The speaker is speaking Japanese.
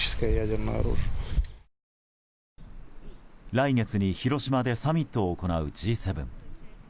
来月に広島でサミットを行うＧ７。